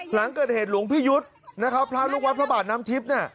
อ๋อหลังเกิดเหตุหลวงพี่ยุทธพระรุกวัสดิ์พระบาทน้ำทิพย์